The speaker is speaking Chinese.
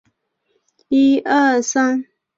是山田秀树所作的日本漫画作品。